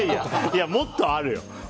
いや、もっとあるよ。